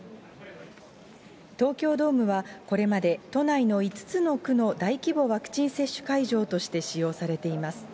東京ドームは、これまで都内の５つの区の大規模ワクチン接種会場として使用されています。